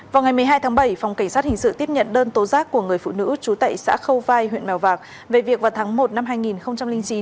vào ngày một mươi hai tháng bảy phòng cảnh sát hình sự tiếp nhận đơn tố giác của người phụ nữ trú tại xã khâu vai huyện mèo vạc về việc vào tháng một năm hai nghìn chín